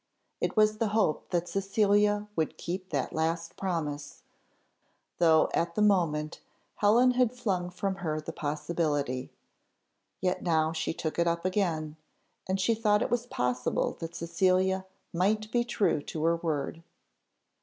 It was the hope that Cecilia would keep that last promise, though at the moment Helen had flung from her the possibility; yet now she took it up again, and she thought it was possible that Cecilia might be true to her word.